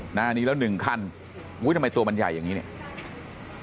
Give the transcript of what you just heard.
หน้านี้แล้วหนึ่งขั้นอุ้ยทำไมตัวมันใหญ่อย่างนี้เนี่ย